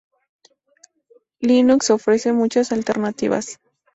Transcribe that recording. Linux ofrece muchas alternativas.